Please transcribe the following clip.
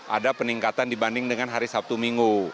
ada peningkatan dibanding dengan hari sabtu minggu